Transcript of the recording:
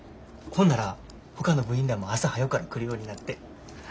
ほんならほかの部員らも朝はよから来るようになって。